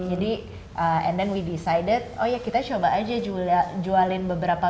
and then we desided oh ya kita coba aja jualin beberapa